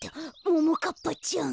・ももかっぱちゃん。